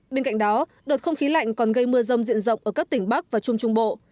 bên cạnh đó đợt không khí lạnh còn gây mưa rông diện rộng ở các tỉnh bắc và trung trung bộ